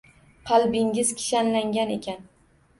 Qalbingiz kishanlangan ekan